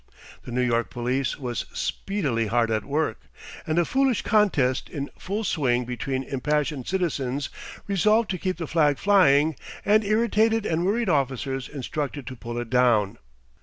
The New York police was speedily hard at work, and a foolish contest in full swing between impassioned citizens resolved to keep the flag flying, and irritated and worried officers instructed to pull it down.